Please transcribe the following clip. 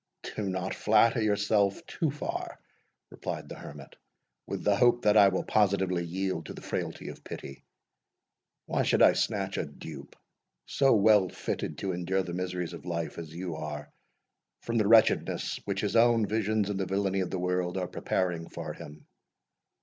"Do not flatter yourself too far," replied the Hermit, "with the hope that I will positively yield to the frailty of pity. Why should I snatch a dupe, so well fitted to endure the miseries of life as you are, from the wretchedness which his own visions, and the villainy of the world, are preparing for him?